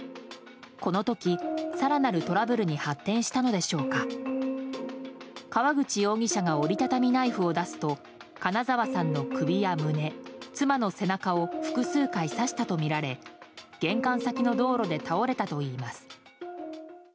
この時、更なるトラブルに発展したのでしょうか川口容疑者が折り畳みナイフを出すと金沢さんの首や胸、妻の背中を複数回刺したとみられ玄関先の道路で倒れたといいます。